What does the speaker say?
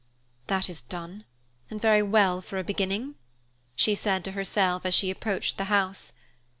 "That is done, and very well for a beginning," she said to herself as she approached the house.